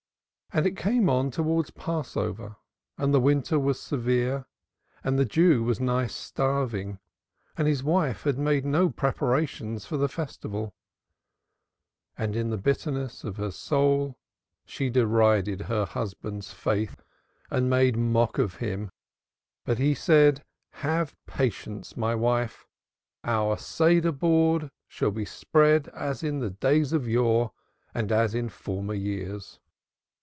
And it came on towards Passover and the winter was severe and the Jew was nigh starving and his wife had made no preparations for the Festival. And in the bitterness of her soul she derided her husband's faith and made mock of him, but he said, "Have patience, my wife! Our Seder board shall be spread as in the days of yore and as in former years."